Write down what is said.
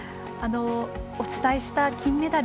お伝えした金メダル